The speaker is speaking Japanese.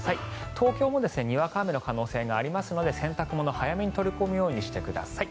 東京もにわか雨の可能性がありますので洗濯物、早めに取り込むようにしてください。